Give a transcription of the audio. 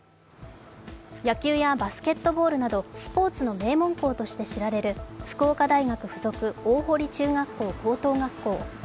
野球やバスケットボールなどスポーツの名門校として知られる福岡大学附属大濠中学校高等学校。